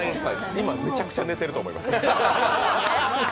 今、めちゃくちゃ寝てると思います。